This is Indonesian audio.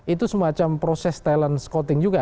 itu semacam proses talent scouting juga